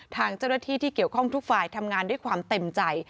ทางเจ้าหน้าที่ที่เกี่ยวข้องทุกฝ่ายทำงานด้วยความเต็มใจ